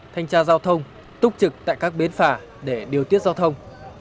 thanh tra giao thông túc trực tại các bến phà để điều tiết giao thông